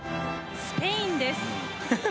スペインです。